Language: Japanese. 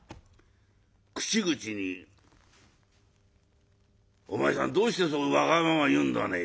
口々に「お前さんどうしてそうわがまま言うんだね？